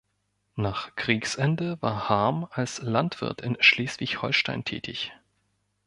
Nach Kriegsende war Harm als Landwirt in Schleswig-Holstein tätig.